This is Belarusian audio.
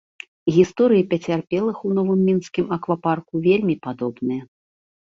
Гісторыі пацярпелых у новым мінскім аквапарку вельмі падобныя.